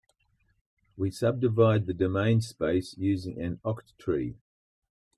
We subdivide the domain space using an octree.